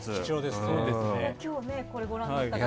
今日、これをご覧になった方が。